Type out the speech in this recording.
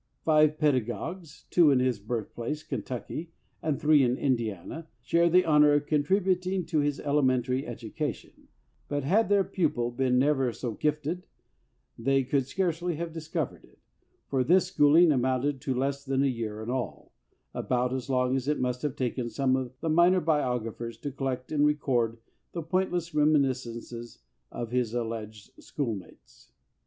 Five pedagogues— two in his birthplace, Kentucky, and three in Indiana— share the honor of con tributing to his elementary education; but had their pupil been never so gifted, they could scarcely have discovered it, for his schooling 7 LINCOLN THE LAWYER amounted to less than a year in all— about as long as it must have taken some of the minor biog raphers to collect and record the pointless remi niscences of his alleged schoolmates.